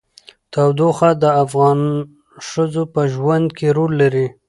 تودوخه د افغان ښځو په ژوند کې رول لري.